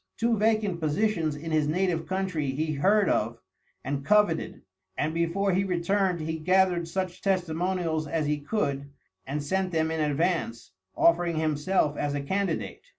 Two vacant positions in his native country he heard of and coveted, and before he returned he gathered such testimonials as he could, and sent them in advance, offering himself as a candidate.